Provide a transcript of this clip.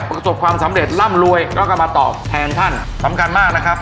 ประสบความสำเร็จร่ำรวยแล้วก็มาตอบแทนท่านสำคัญมากนะครับ